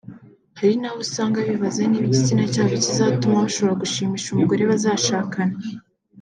Hari n’abo usanga bibaza niba igitsina cyabo kizatuma bashobora gushimisha umugore bazashakana